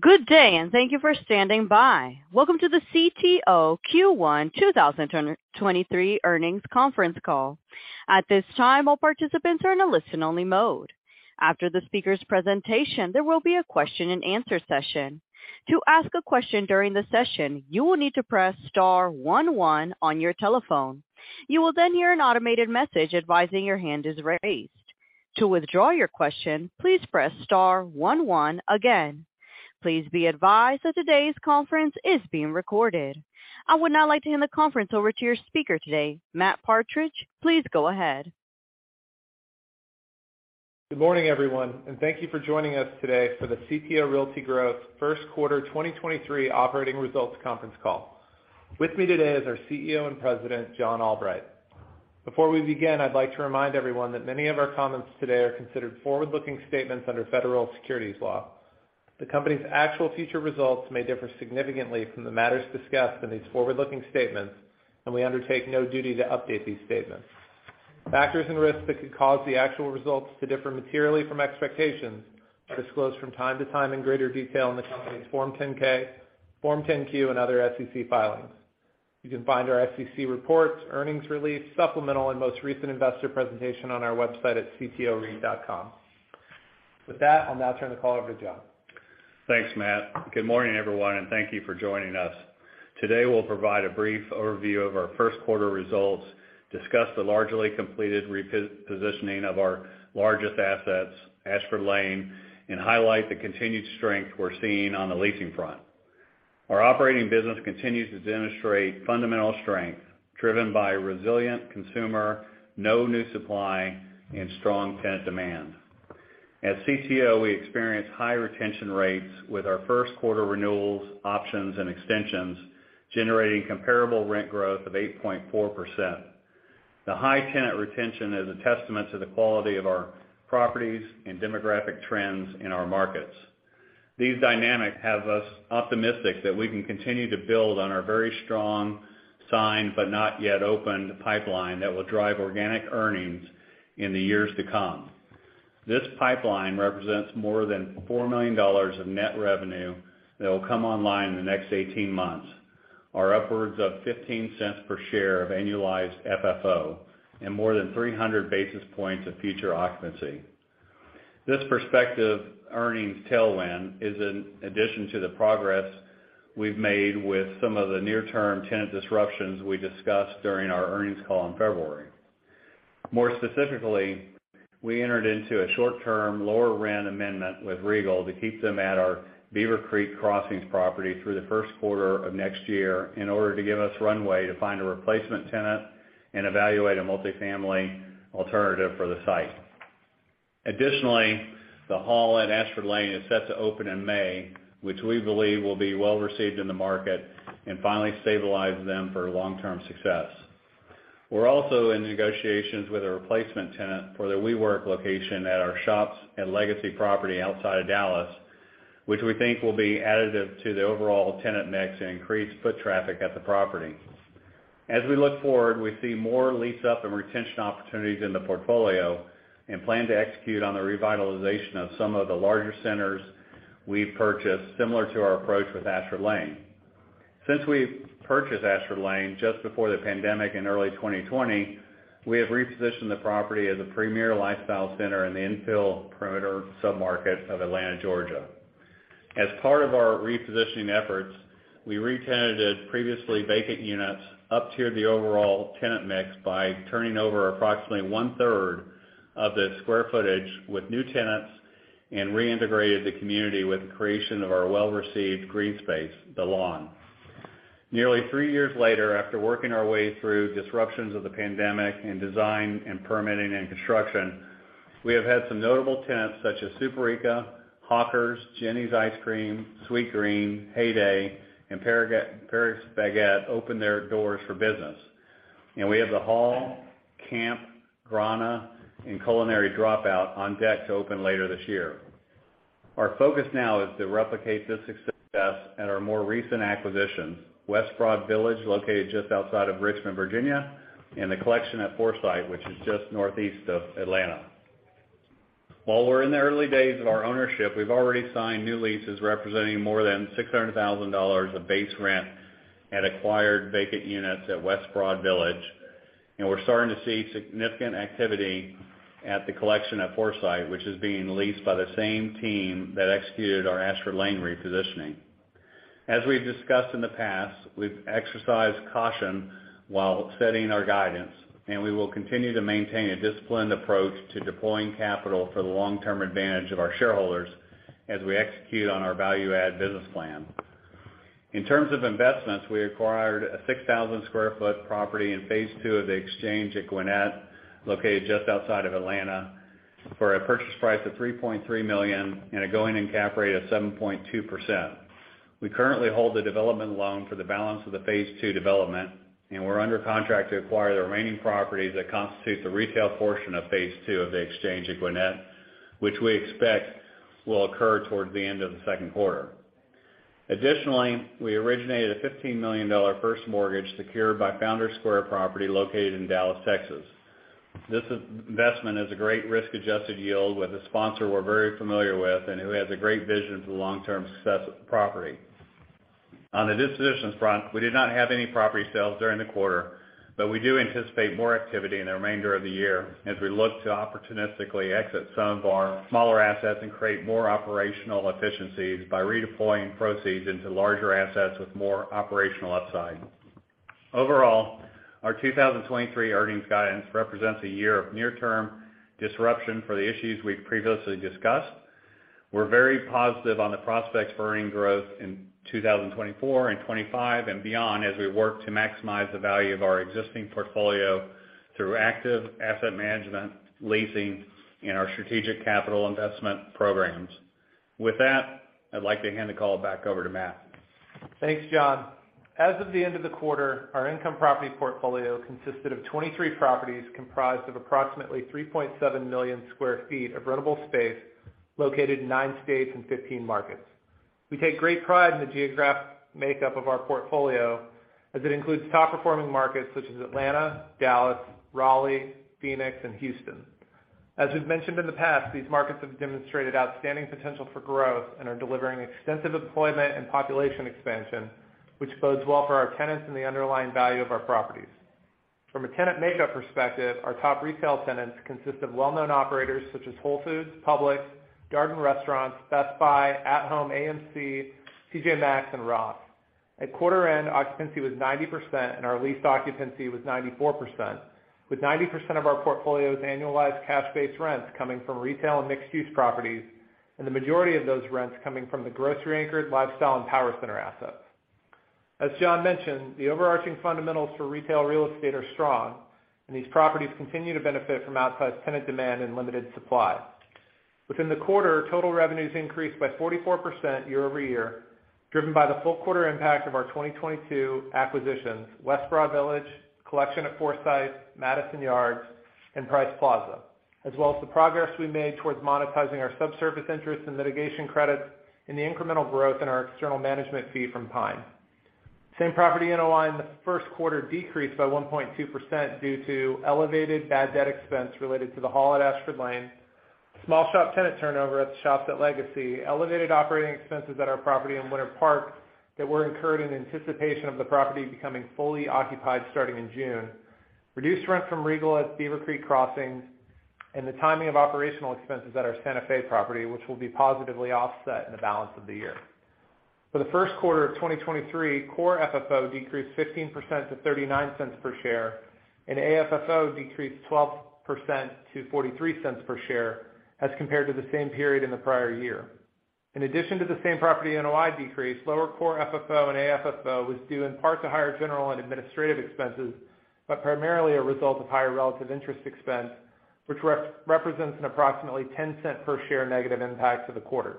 Good day. Thank you for standing by. Welcome to the CTO Q1 2023 earnings conference call. At this time, all participants are in a listen-only mode. After the speaker's presentation, there will be a question-and-answer session. To ask a question during the session, you will need to press star one one on your telephone. You will hear an automated message advising your hand is raised. To withdraw your question, please press star one one again. Please be advised that today's conference is being recorded. I would now like to hand the conference over to your speaker today, Matt Partridge. Please go ahead. Good morning, everyone, and thank you for joining us today for the CTO Realty Growth First Quarter 2023 operating results conference call. With me today is our CEO and President, John Albright. Before we begin, I'd like to remind everyone that many of our comments today are considered forward-looking statements under federal securities law. The company's actual future results may differ significantly from the matters discussed in these forward-looking statements, and we undertake no duty to update these statements. Factors and risks that could cause the actual results to differ materially from expectations are disclosed from time to time in greater detail in the company's Form 10-K, Form 10-Q, and other SEC filings. You can find our SEC reports, earnings release, supplemental and most recent investor presentation on our website at ctoreit.com. With that, I'll now turn the call over to John. Thanks, Matt. Good morning, everyone, and thank you for joining us. Today, we'll provide a brief overview of our first quarter results, discuss the largely completed repositioning of our largest assets, Ashford Lane, and highlight the continued strength we're seeing on the leasing front. Our operating business continues to demonstrate fundamental strength driven by resilient consumer, no new supply, and strong tenant demand. At CTO, we experience high retention rates with our first quarter renewals, options, and extensions, generating comparable rent growth of 8.4%. The high tenant retention is a testament to the quality of our properties and demographic trends in our markets. These dynamics have us optimistic that we can continue to build on our very strong signed, but not yet opened pipeline that will drive organic earnings in the years to come. This pipeline represents more than $4 million of net revenue that will come online in the next 18 months, or upwards of $0.15 per share of annualized FFO and more than 300 basis points of future occupancy. This prospective earnings tailwind is in addition to the progress we've made with some of the near-term tenant disruptions we discussed during our earnings call in February. More specifically, we entered into a short-term lower rent amendment with Regal to keep them at our Beaver Creek Crossings property through the 1st quarter of next year in order to give us runway to find a replacement tenant and evaluate a multifamily alternative for the site. Additionally, The Hall at Ashford Lane is set to open in May, which we believe will be well-received in the market and finally stabilize them for long-term success. We're also in negotiations with a replacement tenant for the WeWork location at our Shops at Legacy property outside of Dallas, which we think will be additive to the overall tenant mix and increase foot traffic at the property. As we look forward, we see more lease-up and retention opportunities in the portfolio and plan to execute on the revitalization of some of the larger centers we've purchased, similar to our approach with Ashford Lane. Since we purchased Ashford Lane just before the pandemic in early 2020, we have repositioned the property as a premier lifestyle center in the infill perimeter sub-market of Atlanta, Georgia. As part of our repositioning efforts, we re-tenanted previously vacant units, uptiered the overall tenant mix by turning over approximately one-third of the square footage with new tenants and reintegrated the community with the creation of our well-received green space, The Lawn. Nearly three years later, after working our way through disruptions of the pandemic and design and permitting and construction, we have had some notable tenants such as Superica, Hawkers, Jeni's Ice Cream, Sweetgreen, Heyday, and Paris Baguette open their doors for business. We have The Hall, Camp, Grana, and Culinary Dropout on deck to open later this year. Our focus now is to replicate this success at our more recent acquisitions, West Broad Village, located just outside of Richmond, Virginia, and The Collection at Forsyth, which is just northeast of Atlanta. While we're in the early days of our ownership, we've already signed new leases representing more than $600,000 of base rent at acquired vacant units at West Broad Village. We're starting to see significant activity at The Collection at Forsyth, which is being leased by the same team that executed our Ashford Lane repositioning. As we've discussed in the past, we've exercised caution while setting our guidance, and we will continue to maintain a disciplined approach to deploying capital for the long-term advantage of our shareholders as we execute on our value add business plan. In terms of investments, we acquired a 6,000 sq ft property in Phase II of The Exchange at Gwinnett, located just outside of Atlanta, for a purchase price of $3.3 million and a going-in cap rate of 7.2%. We currently hold the development loan for the balance of the Phase II development, and we're under contract to acquire the remaining properties that constitute the retail portion of Phase II of The Exchange at Gwinnett, which we expect will occur towards the end of the second quarter. Additionally, we originated a $15 million first mortgage secured by Founders Square property located in Dallas, Texas. This investment is a great risk-adjusted yield with a sponsor we're very familiar with and who has a great vision for the long-term success of the property. On the dispositions front, we did not have any property sales during the quarter, but we do anticipate more activity in the remainder of the year as we look to opportunistically exit some of our smaller assets and create more operational efficiencies by redeploying proceeds into larger assets with more operational upside. Overall, our 2023 earnings guidance represents a year of near-term disruption for the issues we've previously discussed. We're very positive on the prospects for earnings growth in 2024 and 2025 and beyond as we work to maximize the value of our existing portfolio through active asset management, leasing, and our strategic capital investment programs. With that, I'd like to hand the call back over to Matt. Thanks, John Albright. As of the end of the quarter, our income property portfolio consisted of 23 properties comprised of approximately 3.7 million sq ft of rentable space located in nine states and 15 markets. We take great pride in the geographic makeup of our portfolio as it includes top-performing markets such as Atlanta, Dallas, Raleigh, Phoenix, and Houston. As we've mentioned in the past, these markets have demonstrated outstanding potential for growth and are delivering extensive employment and population expansion, which bodes well for our tenants and the underlying value of our properties. From a tenant makeup perspective, our top retail tenants consist of well-known operators such as Whole Foods, Publix, Darden Restaurants, Best Buy, At Home, AMC, TJ Maxx, and Ross. At quarter end, occupancy was 90%, and our lease occupancy was 94%, with 90% of our portfolio's annualized cash-based rents coming from retail and mixed-use properties, and the majority of those rents coming from the grocery-anchored lifestyle and power center assets. As John mentioned, the overarching fundamentals for retail real estate are strong, and these properties continue to benefit from outside tenant demand and limited supply. Within the quarter, total revenues increased by 44% year-over-year, driven by the full quarter impact of our 2022 acquisitions, West Broad Village, Collection at Forsyth, Madison Yards, and Price Plaza, as well as the progress we made towards monetizing our subsurface interest and litigation credits and the incremental growth in our external management fee from PINE. Same property NOI in the first quarter decreased by 1.2% due to elevated bad debt expense related to The Hall at Ashford Lane, small shop tenant turnover at the Shops at Legacy, elevated operating expenses at our property in Winter Park that were incurred in anticipation of the property becoming fully occupied starting in June, reduced rent from Regal at Beaver Creek Crossing, and the timing of operational expenses at our Santa Fe property, which will be positively offset in the balance of the year. For the first quarter of 2023, Core FFO decreased 15% to $0.39 per share, and AFFO decreased 12% to $0.43 per share as compared to the same period in the prior year. In addition to the same property NOI decrease, lower Core FFO and AFFO was due in part to higher general and administrative expenses, but primarily a result of higher relative interest expense, which represents an approximately $0.10 per share negative impact to the quarter.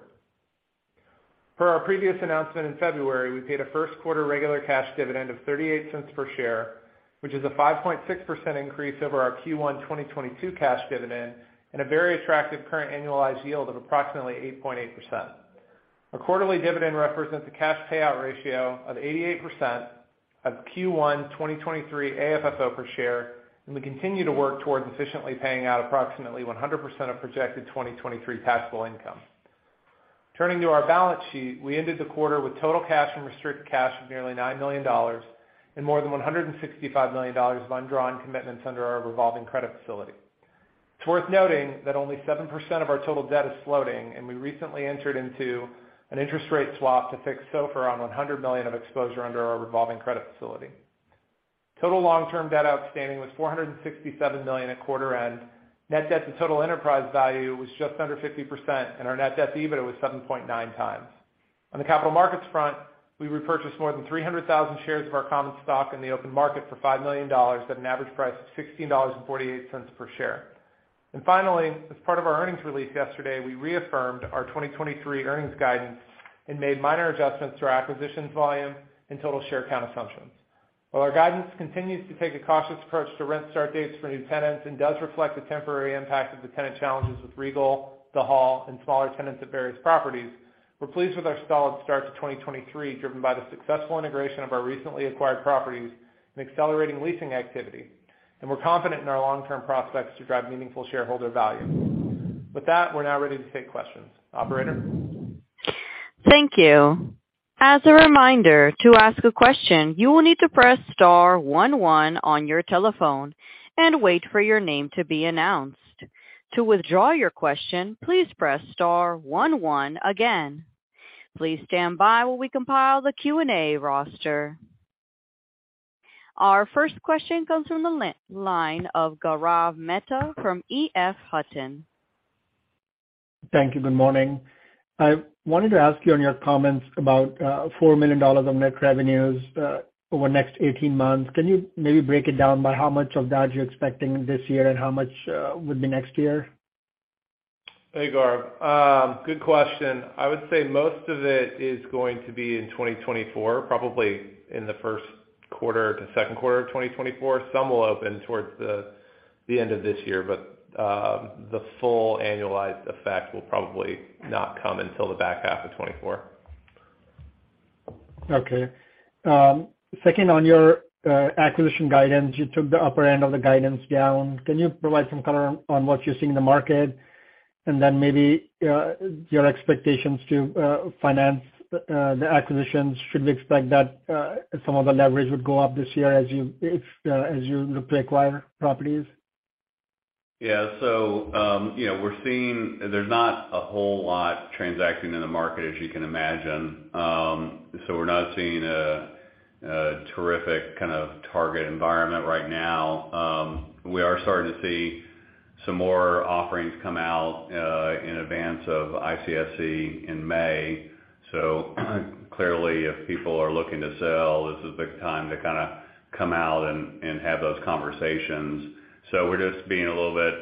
Per our previous announcement in February, we paid a first quarter regular cash dividend of $0.38 per share, which is a 5.6% increase over our Q1 2022 cash dividend and a very attractive current annualized yield of approximately 8.8%. Our quarterly dividend represents a cash payout ratio of 88% of Q1 2023 AFFO per share, and we continue to work towards efficiently paying out approximately 100% of projected 2023 taxable income. Turning to our balance sheet, we ended the quarter with total cash and restricted cash of nearly $9 million and more than $165 million of undrawn commitments under our revolving credit facility. It's worth noting that only 7% of our total debt is floating, and we recently entered into an interest rate swap to fix SOFR on $100 million of exposure under our revolving credit facility. Total long-term debt outstanding was $467 million at quarter end. Net debt to total enterprise value was just under 50%, and our net debt to EBITDA was 7.9 times. On the capital markets front, we repurchased more than 300,000 shares of our common stock in the open market for $5 million at an average price of $16.48 per share. Finally, as part of our earnings release yesterday, we reaffirmed our 2023 earnings guidance and made minor adjustments to our acquisitions volume and total share count assumptions. While our guidance continues to take a cautious approach to rent start dates for new tenants and does reflect the temporary impact of the tenant challenges with Regal, The Hall, and smaller tenants at various properties, we're pleased with our solid start to 2023, driven by the successful integration of our recently acquired properties and accelerating leasing activity. We're confident in our long-term prospects to drive meaningful shareholder value. With that, we're now ready to take questions. Operator? Thank you. As a reminder, to ask a question, you will need to press star one one on your telephone and wait for your name to be announced. To withdraw your question, please press star one one again. Please stand by while we compile the Q&A roster. Our first question comes from the line of Gaurav Mehta from EF Hutton. Thank you. Good morning. I wanted to ask you on your comments about $4 million of net revenues over the next 18 months. Can you maybe break it down by how much of that you're expecting this year and how much would be next year? Hey, Gaurav. Good question. I would say most of it is going to be in 2024, probably in the first quarter to second quarter of 2024. Some will open towards the end of this year, but the full annualized effect will probably not come until the back half of 2024. Okay. Second, on your acquisition guidance, you took the upper end of the guidance down. Can you provide some color on what you're seeing in the market and then maybe your expectations to finance the acquisitions? Should we expect that some of the leverage would go up this year if, as you look to acquire properties? Yeah. You know, we're seeing there's not a whole lot transacting in the market, as you can imagine. We're not seeing a terrific kind of target environment right now. We are starting to see some more offerings come out in advance of ICSC in May. Clearly, if people are looking to sell, this is the time to kind of come out and have those conversations. We're just being a little bit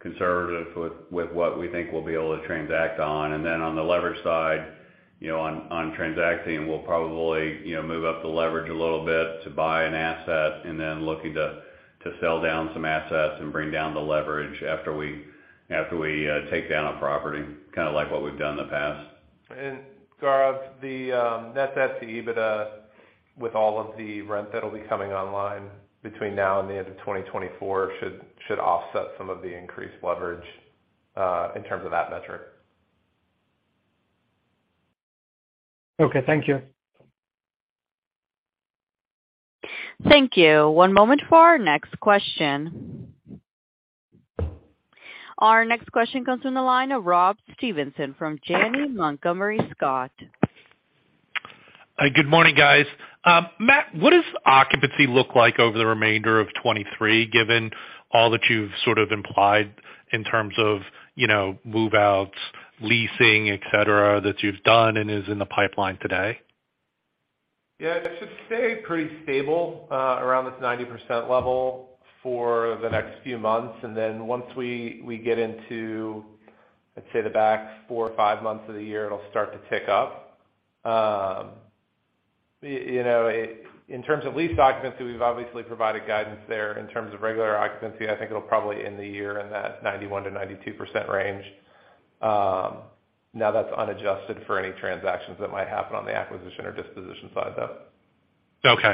conservative with what we think we'll be able to transact on. Then on the leverage side, you know, on transacting, we'll probably, you know, move up the leverage a little bit to buy an asset and then looking to sell down some assets and bring down the leverage after we take down a property, kind of like what we've done in the past. Gaurav, the net debt to EBITDA with all of the rent that'll be coming online between now and the end of 2024 should offset some of the increased leverage in terms of that metric. Okay. Thank you. Thank you. One moment for our next question. Our next question comes from the line of Rob Stevenson from Janney Montgomery Scott. Good morning, guys. Matt, what does occupancy look like over the remainder of 2023, given all that you've sort of implied in terms of, you know, move-outs, leasing, et cetera, that you've done and is in the pipeline today? Yeah, it should stay pretty stable, around this 90% level for the next few months. Then once we get into, let's say, the back four or five months of the year, it'll start to tick up. You know, in terms of lease occupancy, we've obviously provided guidance there. In terms of regular occupancy, I think it'll probably end the year in that 91%-92% range. Now that's unadjusted for any transactions that might happen on the acquisition or disposition side, though.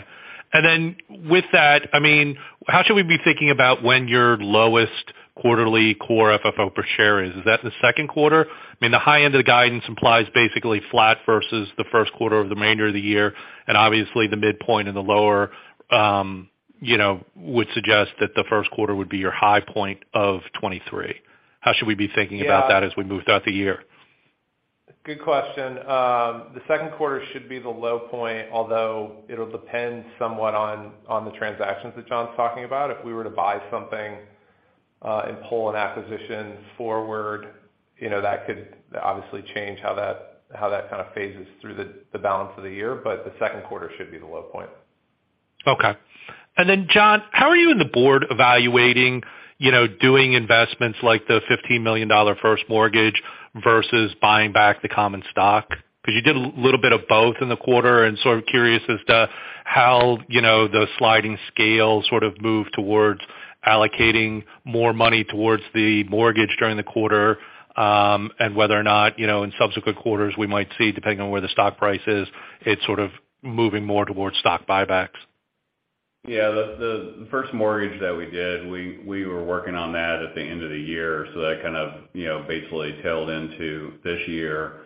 Okay. Then with that, I mean, how should we be thinking about when your lowest quarterly Core FFO per share is? Is that in the second quarter? I mean, the high end of the guidance implies basically flat versus the first quarter of the remainder of the year, and obviously the midpoint and the lower, you know, would suggest that the first quarter would be your high point of 2023. How should we be thinking about that? Yeah. As we move throughout the year? Good question. The second quarter should be the low point, although it'll depend somewhat on the transactions that John's talking about. If we were to buy something, and pull an acquisition forward, you know, that could obviously change how that kind of phases through the balance of the year, but the second quarter should be the low point. Okay. John, how are you and the board evaluating, you know, doing investments like the $15 million first mortgage versus buying back the common stock, 'cause you did a little bit of both in the quarter and sort of curious as to how, you know, the sliding scale sort of moved towards allocating more money towards the mortgage during the quarter, and whether or not, you know, in subsequent quarters we might see, depending on where the stock price is, it sort of moving more towards stock buybacks? Yeah. The first mortgage that we did, we were working on that at the end of the year, so that kind of, you know, basically tailed into this year.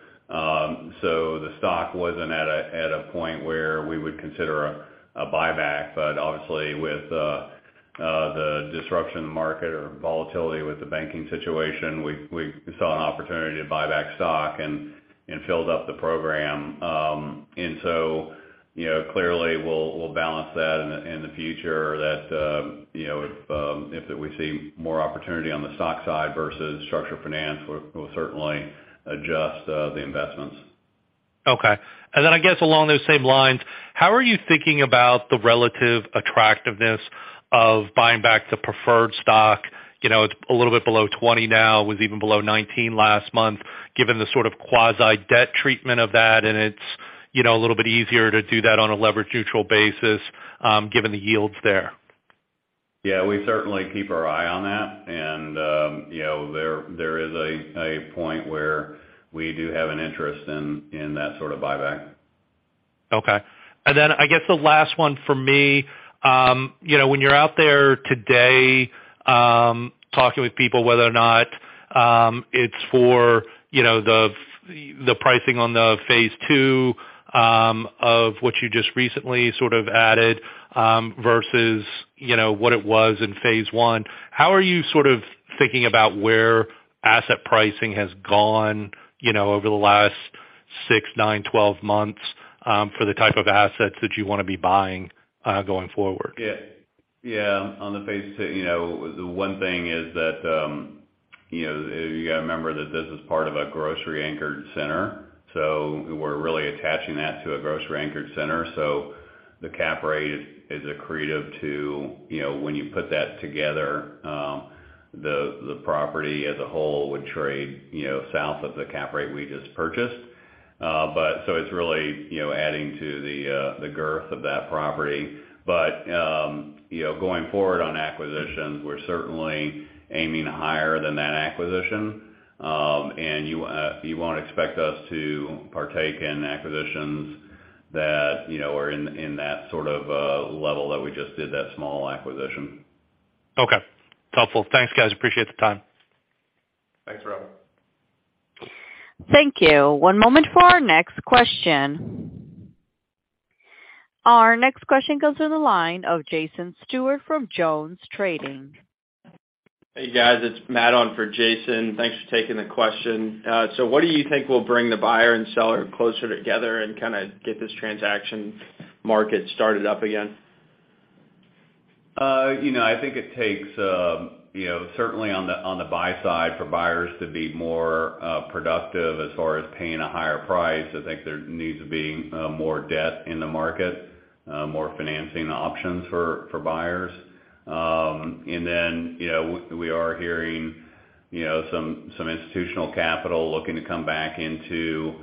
The stock wasn't at a point where we would consider a buyback. Obviously with the disruption in the market or volatility with the banking situation, we saw an opportunity to buy back stock and filled up the program. Clearly we'll balance that in the future that, you know, if we see more opportunity on the stock side versus structured finance, we'll certainly adjust the investments. Okay. I guess along those same lines, how are you thinking about the relative attractiveness of buying back the preferred stock? You know, it's a little bit below 20 now, was even below 19 last month, given the sort of quasi-debt treatment of that, and it's, you know, a little bit easier to do that on a leverage neutral basis, given the yields there. Yeah, we certainly keep our eye on that. You know, there is a point where we do have an interest in that sort of buyback. I guess the last one for me, you know, when you're out there today, talking with people, whether or not it's for, you know, the pricing on the Phase II of what you just recently sort of added, versus, you know, what it was in Phase I, how are you sort of thinking about where asset pricing has gone, you know, over the last 6, 9, 12 months, for the type of assets that you wanna be buying, going forward? Yeah. Yeah. On the Phase II, you know, the one thing is that, you know, you gotta remember that this is part of a grocery anchored center, we're really attaching that to a grocery anchored center. The cap rate is accretive to, you know, when you put that together, the property as a whole would trade, you know, south of the cap rate we just purchased. It's really, you know, adding to the girth of that property. Going forward on acquisitions, we're certainly aiming higher than that acquisition. You won't expect us to partake in acquisitions that, you know, are in that sort of level that we just did that small acquisition. Okay. Helpful. Thanks, guys. Appreciate the time. Thanks, Rob. Thank you. One moment for our next question. Our next question comes in the line of Jason Stewart from JonesTrading. Hey, guys, it's Matt on for Jason. Thanks for taking the question. What do you think will bring the buyer and seller closer together and kinda get this transaction market started up again? You know, I think it takes, you know, certainly on the buy side for buyers to be more productive as far as paying a higher price. I think there needs to be more debt in the market, more financing options for buyers. Then, you know, we are hearing, you know, some institutional capital looking to come back into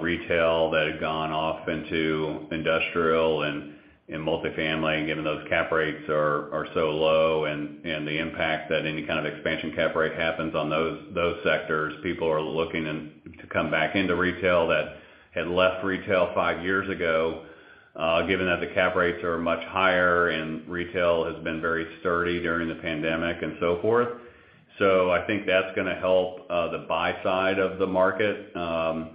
retail that had gone off into industrial and multifamily, given those cap rates are so low and the impact that any kind of expansion cap rate happens on those sectors. People are looking to come back into retail that had left retail 5 years ago, given that the cap rates are much higher and retail has been very sturdy during the pandemic and so forth. I think that's gonna help the buy side of the market. On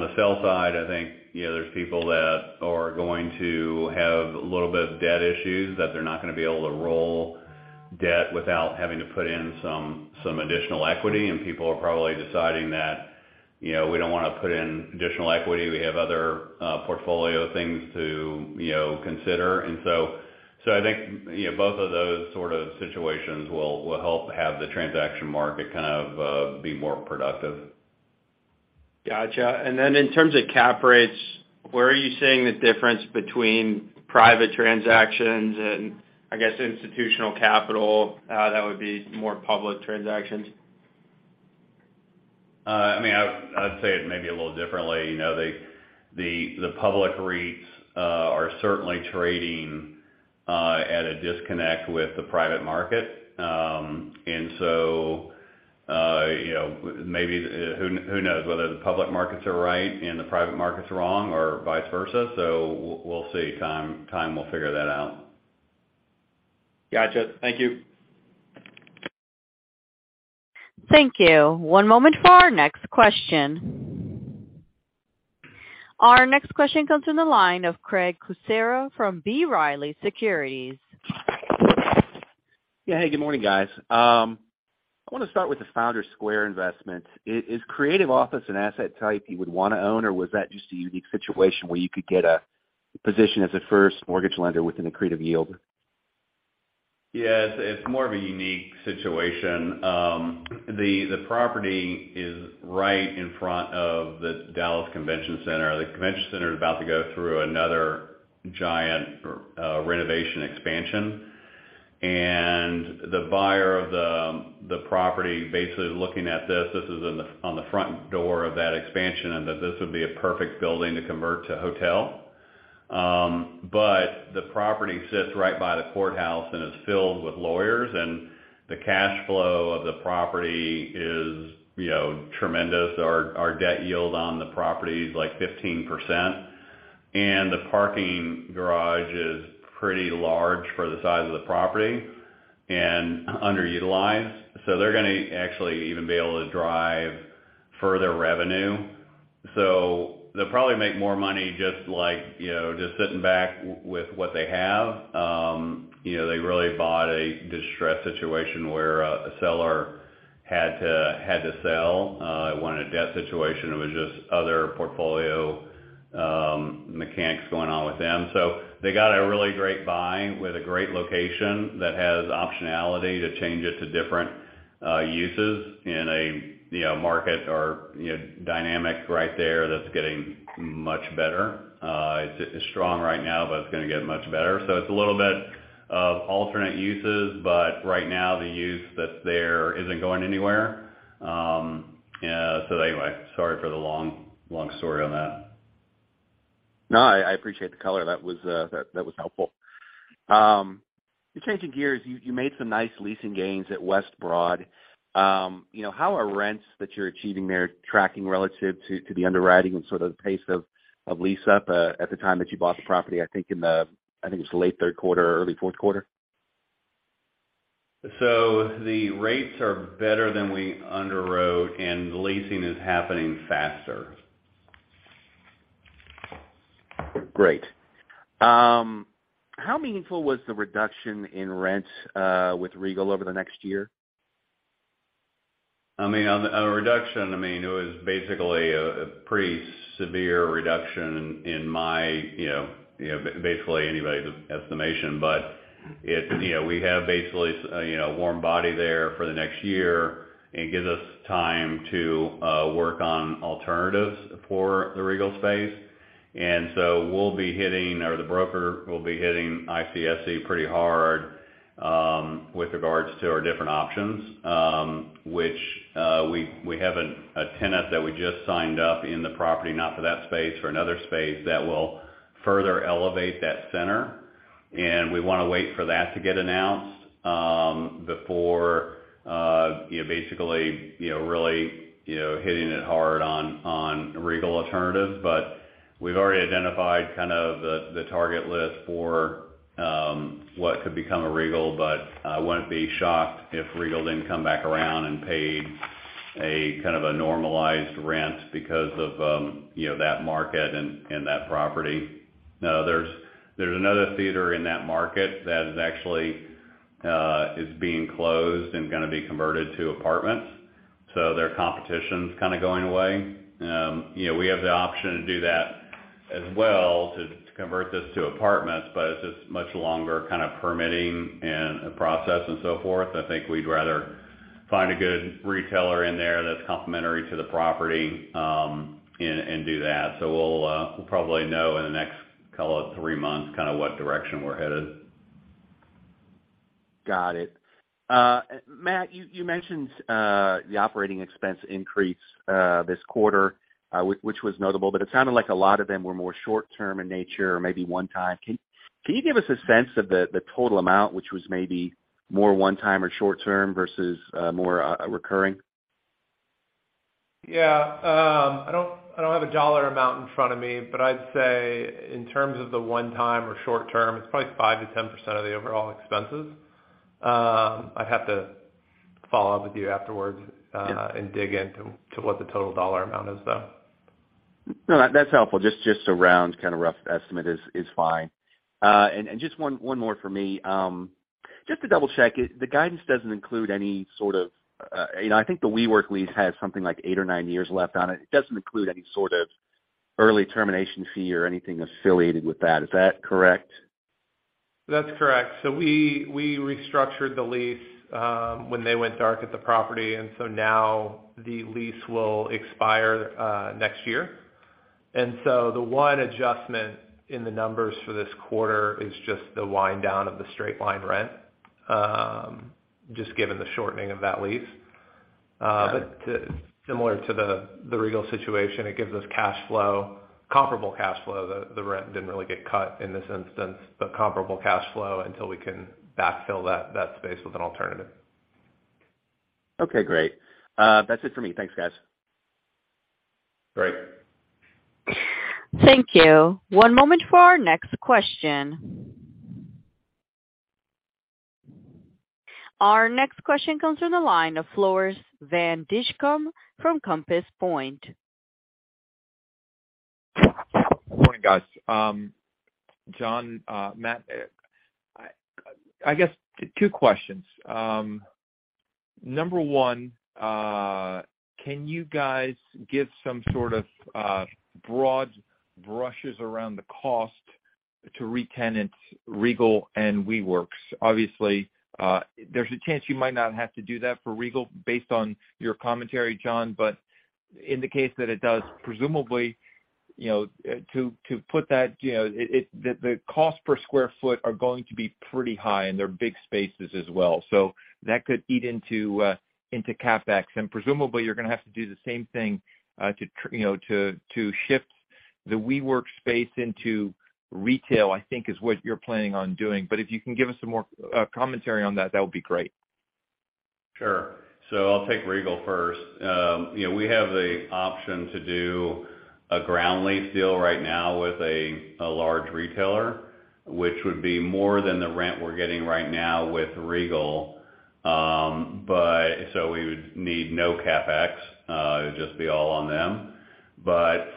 the sell side, I think, you know, there's people that are going to have a little bit of debt issues, that they're not gonna be able to roll debt without having to put in some additional equity, and people are probably deciding that, you know, we don't wanna put in additional equity. We have other portfolio things to, you know, consider. I think, you know, both of those sort of situations will help have the transaction market kind of be more productive. Gotcha. Then in terms of cap rates, where are you seeing the difference between private transactions and I guess institutional capital, that would be more public transactions? I mean, I'd say it maybe a little differently. You know, the public REITs are certainly trading at a disconnect with the private market. You know, who knows whether the public markets are right and the private markets are wrong or vice versa. We'll see. Time will figure that out. Gotcha. Thank you. Thank you. One moment for our next question. Our next question comes in the line of Craig Kucera from B. Riley Securities. Yeah. Hey, good morning, guys. I wanna start with the Founders Square investment. Is creative office an asset type you would wanna own, or was that just a unique situation where you could get a position as a first mortgage lender with an accretive yield? Yes, it's more of a unique situation. The property is right in front of the Dallas Convention Center. The convention center is about to go through another giant renovation expansion. The buyer of the property basically is looking at this is on the front door of that expansion, and that this would be a perfect building to convert to hotel. The property sits right by the courthouse and is filled with lawyers, and the cash flow of the property is, you know, tremendous. Our debt yield on the property is, like, 15%. The parking garage is pretty large for the size of the property and underutilized, so they're gonna actually even be able to drive further revenue. They'll probably make more money just like, you know, just sitting back with what they have. You know, they really bought a distressed situation where a seller had to sell. It wasn't a debt situation. It was just other portfolio mechanics going on with them. They got a really great buy with a great location that has optionality to change it to different uses in a, you know, market or, you know, dynamic right there that's getting much better. It's strong right now, but it's gonna get much better. It's a little bit of alternate uses, but right now, the use that's there isn't going anywhere. Yeah. Anyway, sorry for the long story on that. No, I appreciate the color. That was, that was helpful. Just changing gears, you made some nice leasing gains at West Broad. You know, how are rents that you're achieving there tracking relative to the underwriting and sort of pace of lease up at the time that you bought the property, I think in the, I think it was late third quarter, early fourth quarter? The rates are better than we underwrote, and the leasing is happening faster. Great. How meaningful was the reduction in rent with Regal over the next year? I mean, on a reduction, I mean, it was basically a pretty severe reduction in my, you know, basically anybody's estimation. You know, we have basically, you know, warm body there for the next year, it gives us time to work on alternatives for the Regal space. We'll be hitting, or the broker will be hitting ICSC pretty hard with regards to our different options, which we have a tenant that we just signed up in the property, not for that space, for another space that will further elevate that center. We wanna wait for that to get announced before, you know, basically, you know, really, you know, hitting it hard on Regal alternatives. We've already identified kind of the target list for what could become a Regal, but I wouldn't be shocked if Regal didn't come back around and paid a kind of a normalized rent because of, you know, that market and that property. There's another theater in that market that is actually being closed and gonna be converted to apartments. Their competition's kind of going away. You know, we have the option to do that as well, to convert this to apartments, but it's just much longer kind of permitting and a process and so forth. I think we'd rather find a good retailer in there that's complementary to the property and do that. We'll probably know in the next call or three months kind of what direction we're headed. Got it. Matt, you mentioned the operating expense increase, which was notable, but it sounded like a lot of them were more short term in nature or maybe one-time. Can you give us a sense of the total amount, which was maybe more one-time or short term versus more recurring? Yeah. I don't have a dollar amount in front of me, but I'd say in terms of the one-time or short term, it's probably 5%-10% of the overall expenses. I'd have to follow up with you afterwards. Yeah And dig into what the total dollar amount is, though. No, that's helpful. Just a round kind of rough estimate is fine. Just one more for me. Just to double-check, the guidance doesn't include any sort of, you know, I think the WeWork lease has something like eight or nine years left on it. It doesn't include any sort of early termination fee or anything affiliated with that. Is that correct? That's correct. We restructured the lease, when they went dark at the property, now the lease will expire next year. The one adjustment in the numbers for this quarter is just the wind down of the straight-line rent, just given the shortening of that lease. Similar to the Regal situation, it gives us cash flow, comparable cash flow. The rent didn't really get cut in this instance, but comparable cash flow until we can backfill that space with an alternative. Okay, great. That's it for me. Thanks, guys. Great. Thank you. One moment for our next question. Our next question comes from the line of Floris van Dijkum from Compass Point. Good morning, guys. John, Matt, I guess two questions. Number one, can you guys give some sort of broad brushes around the cost to retenant Regal and WeWork's? Obviously, there's a chance you might not have to do that for Regal based on your commentary, John, but in the case that it does, presumably, you know, to put that, you know, the cost per square foot are going to be pretty high, and they're big spaces as well. That could eat into CapEx. Presumably, you're gonna have to do the same thing to shift the WeWork space into retail, I think, is what you're planning on doing. If you can give us some more commentary on that would be great. Sure. I'll take Regal first. You know, we have the option to do a ground lease deal right now with a large retailer, which would be more than the rent we're getting right now with Regal. We would need no CapEx, it would just be all on them.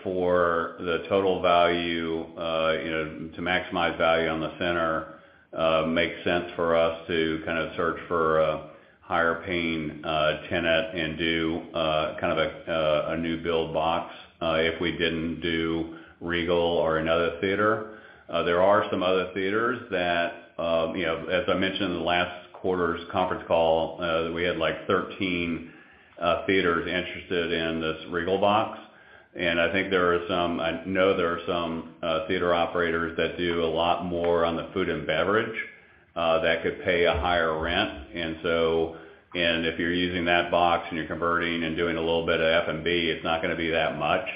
For the total value, you know, to maximize value on the center, makes sense for us to kind of search for a higher paying tenant and do kind of a new build box, if we didn't do Regal or another theater. There are some other theaters that, you know, as I mentioned in the last quarter's conference call, we had, like, 13 theaters interested in this Regal box. And I think there are some... I know there are some theater operators that do a lot more on the food and beverage that could pay a higher rent. If you're using that box and you're converting and doing a little bit of F&B, it's not gonna be that much.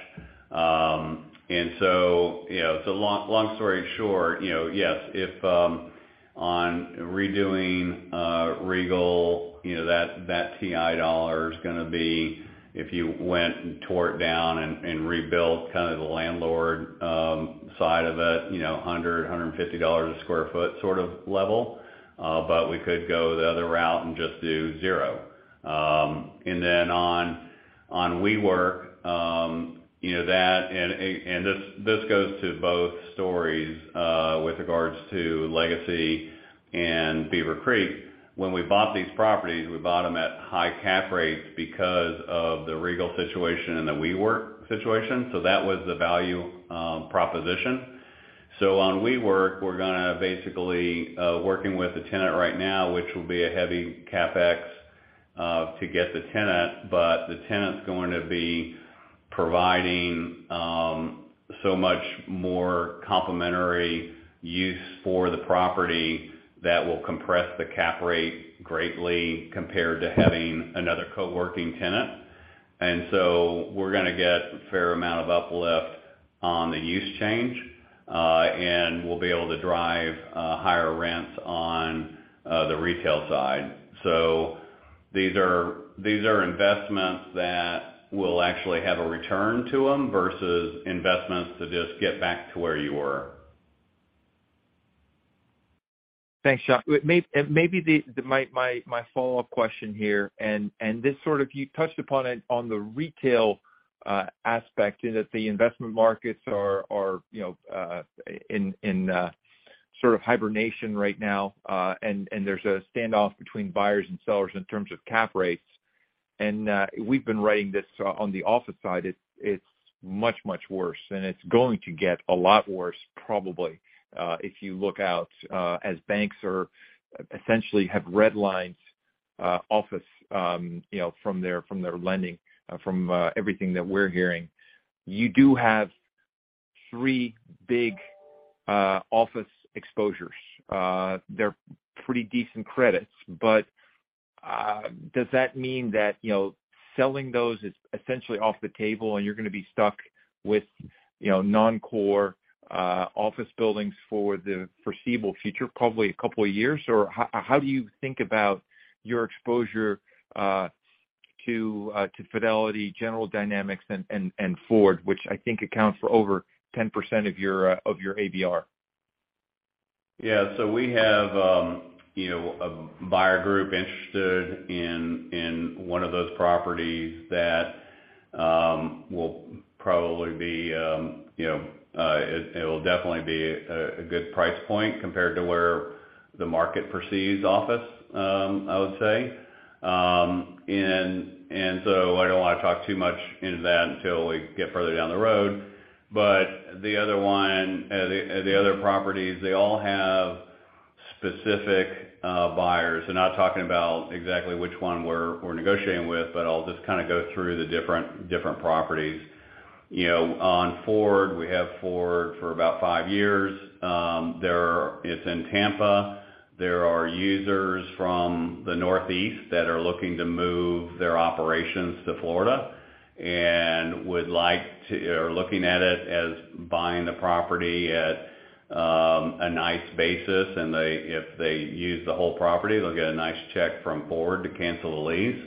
So long, long story short, you know, yes, if, on redoing, Regal, you know, that TI dollar is gonna be if you went and tore it down and rebuilt kind of the landlord side of it, you know, $150 a square foot sort of level. We could go the other route and just do zero. Then on WeWork, you know that and this goes to both stories, with regards to Legacy and Beaver Creek. When we bought these properties, we bought them at high cap rates because of the Regal situation and the WeWork situation. That was the value proposition. On WeWork, we're gonna basically working with the tenant right now, which will be a heavy CapEx to get the tenant, but the tenant's going to be providing so much more complementary use for the property that will compress the cap rate greatly compared to having another co-working tenant. We're gonna get a fair amount of uplift on the use change, and we'll be able to drive higher rents on the retail side. These are investments that will actually have a return to them versus investments to just get back to where you were. Thanks, Sean. Maybe my follow-up question here, and this sort of you touched upon it on the retail aspect, you know, that the investment markets are, you know, in sort of hibernation right now, and there's a standoff between buyers and sellers in terms of cap rates. We've been writing this on the office side, it's much, much worse, and it's going to get a lot worse probably, if you look out, as banks essentially have redlined office, you know, from their lending, from everything that we're hearing. You do have three big office exposures. They're pretty decent credits. Does that mean that, you know, selling those is essentially off the table and you're gonna be stuck with, you know, non-core, office buildings for the foreseeable future, probably a couple of years? How do you think about your exposure, to Fidelity, General Dynamics and Ford, which I think accounts for over 10% of your, of your ABR? Yeah. We have, you know, a buyer group interested in one of those properties that will probably be, you know, it will definitely be a good price point compared to where the market perceives office, I would say. I don't wanna talk too much into that until we get further down the road. The other one, the other properties, they all have specific buyers. I'm not talking about exactly which one we're negotiating with, but I'll just kind of go through the different properties. You know, on Ford, we have Ford for about 5 years. It's in Tampa. There are users from the Northeast that are looking to move their operations to Florida and looking at it as buying the property at a nice basis. If they use the whole property, they'll get a nice check from Ford to cancel the lease.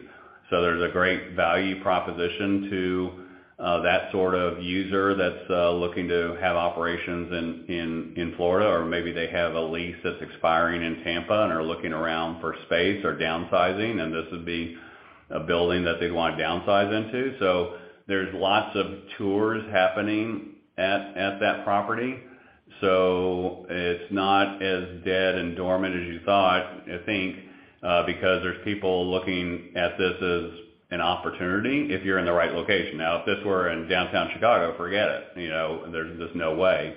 There's a great value proposition to that sort of user that's looking to have operations in Florida, or maybe they have a lease that's expiring in Tampa and are looking around for space or downsizing, and this would be a building that they'd wanna downsize into. There's lots of tours happening at that property. It's not as dead and dormant as you thought, I think, because there's people looking at this as an opportunity if you're in the right location. If this were in downtown Chicago, forget it. You know, there's just no way.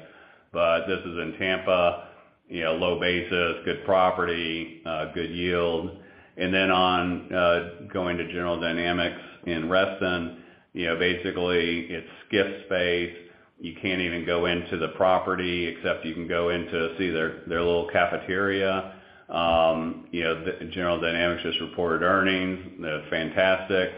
This is in Tampa, you know, low basis, good property, good yield. On going to General Dynamics in Reston, you know, basically, it's SCIF space. You can't even go into the property, except you can go in to see their little cafeteria. You know, General Dynamics just reported earnings. They're fantastic.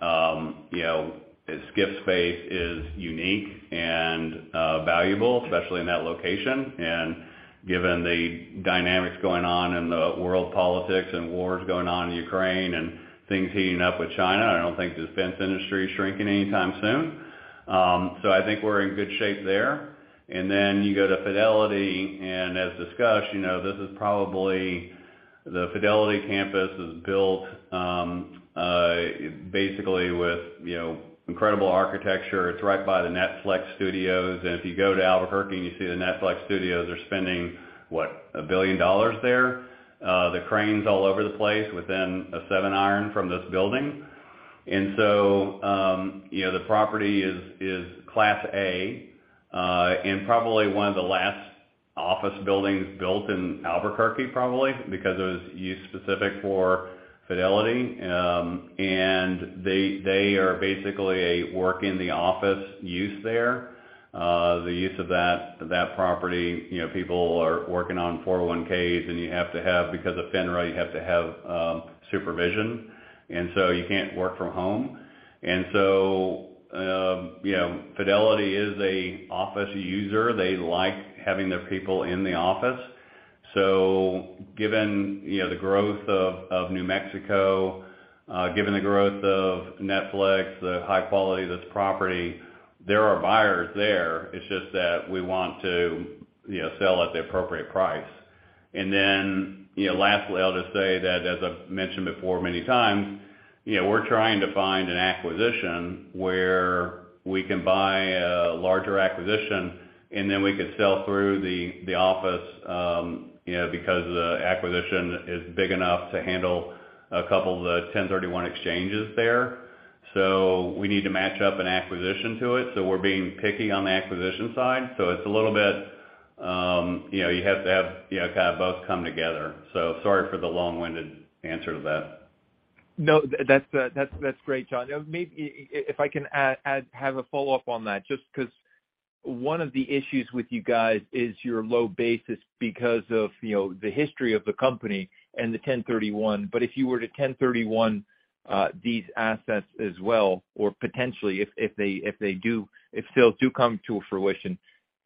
You know, its SCIF space is unique and valuable, especially in that location. Given the dynamics going on in the world politics and wars going on in Ukraine and things heating up with China, I don't think the defense industry is shrinking anytime soon. I think we're in good shape there. You go to Fidelity, and as discussed, you know, this is probably the Fidelity campus is built, basically with, you know, incredible architecture. It's right by the Netflix studios. If you go to Albuquerque and you see the Netflix studios, they're spending, what, $1 billion there. There are cranes all over the place within a 7-iron from this building. You know, the property is Class A and probably one of the last office buildings built in Albuquerque, probably, because it was used specific for Fidelity. They are basically a work in the office use there. The use of that property, you know, people are working on 401(k)s, and you have to have, because of FINRA, you have to have supervision, you can't work from home. You know, Fidelity is a office user. They like having their people in the office. Given, you know, the growth of New Mexico, given the growth of Netflix, the high quality of this property, there are buyers there. It's just that we want to, you know, sell at the appropriate price. Lastly, I'll just say that as I've mentioned before many times, you know, we're trying to find an acquisition where we can buy a larger acquisition, and then we could sell through the office, you know, because the acquisition is big enough to handle a couple of the 1031 exchanges there. We need to match up an acquisition to it, so we're being picky on the acquisition side. It's a little bit, you know, you have to have, you know, kind of both come together. Sorry for the long-winded answer to that. No. That's great, Sean. Maybe if I can have a follow-up on that, just 'cause one of the issues with you guys is your low basis because of, you know, the history of the company and the 1031. If you were to 1031 these assets as well, or potentially if they do, if sales do come to a fruition,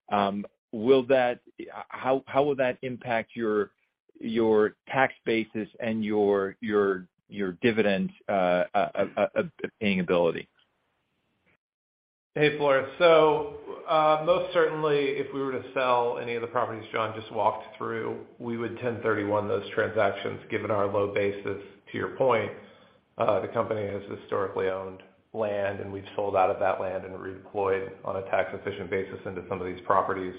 how will that impact your tax basis and your dividend paying ability? Hey, Floris. Most certainly if we were to sell any of the properties John just walked through, we would ten thirty-one those transactions, given our low basis. To your point, the company has historically owned land, and we've sold out of that land and redeployed on a tax-efficient basis into some of these properties.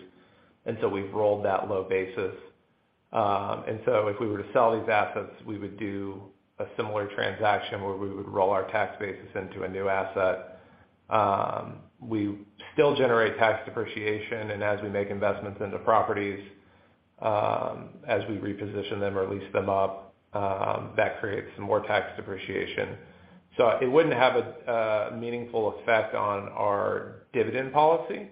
We've rolled that low basis. If we were to sell these assets, we would do a similar transaction where we would roll our tax basis into a new asset. We still generate tax depreciation, and as we make investments into properties, as we reposition them or lease them up, that creates some more tax depreciation. It wouldn't have a meaningful effect on our dividend policy.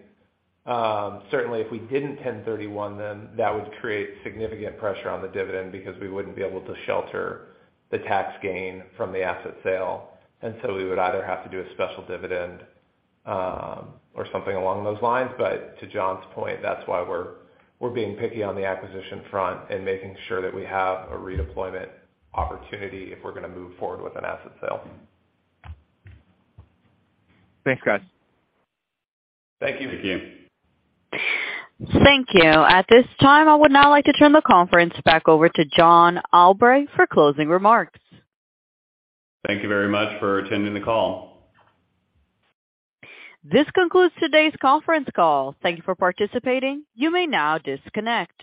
Certainly if we didn't 1031 them, that would create significant pressure on the dividend because we wouldn't be able to shelter the tax gain from the asset sale. We would either have to do a special dividend or something along those lines. To John's point, that's why we're being picky on the acquisition front and making sure that we have a redeployment opportunity if we're gonna move forward with an asset sale. Thanks, guys. Thank you. Thank you. Thank you. At this time, I would now like to turn the conference back over to John Albright for closing remarks. Thank you very much for attending the call. This concludes today's conference call. Thank you for participating. You may now disconnect.